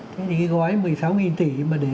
thế thì cái gói một mươi sáu tỷ mà để